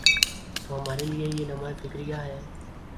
تو ہمارے لئے یہ لمحہ فکریہ ہے۔